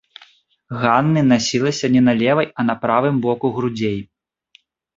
Ганны насілася не на левай, а на правым боку грудзей.